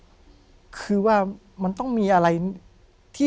ผมก็ไม่เคยเห็นว่าคุณจะมาทำอะไรให้คุณหรือเปล่า